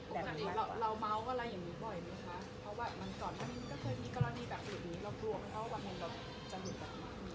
เพราะว่ามันก่อนก็เคยมีกรณีแบบอย่างนี้